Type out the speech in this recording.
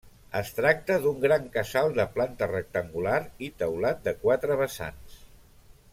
Es tracta d'un gran casal de planta rectangular i teulat de quatre vessants.